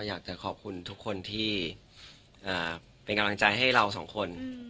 อยากจะขอบคุณทุกคนที่เป็นกำลังใจให้เราสองคน